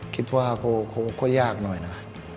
คิดว่าคงก็ยากหน่อยนะ